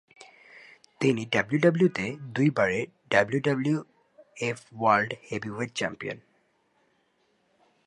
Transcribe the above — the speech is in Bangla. তিনি ডাব্লিউডাব্লিউইতে দুই বারের WWWF WWF heavyweight champion WWF world heavyweight champion.